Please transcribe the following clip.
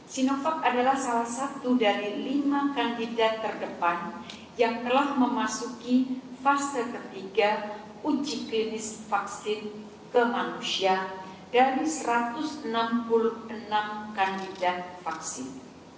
sinovac adalah salah satu dari lima kandidat terdepan yang telah memasuki fase ketiga uji klinis vaksin kemanusiaan dari satu ratus enam puluh enam kandidat vaksin